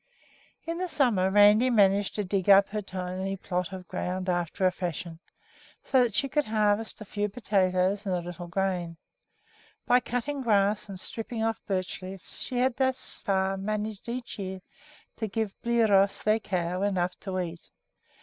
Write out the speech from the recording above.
In the summer Randi managed to dig up her tiny plots of ground after a fashion, so that she could harvest a few potatoes and a little grain. By cutting grass and stripping off birch leaves she had thus far managed each year to give Bliros, their cow, enough to eat.